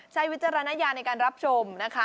ใช้วิจารณายาในการรับชมนะคะ